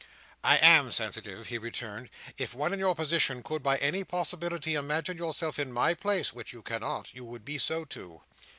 "I am sensitive," he returned. "If one in your position could by any possibility imagine yourself in my place: which you cannot: you would be so too."